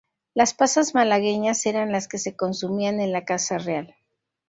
Las pasas malagueñas eran las que se consumían en la Casa Real.